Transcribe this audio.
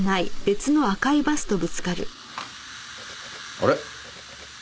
あれ？